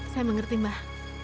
saya mengerti mbah